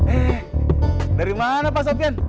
eh dari mana pak sofian